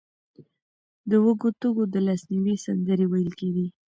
د وږو تږو د لاسنیوي سندرې ویل کېدې.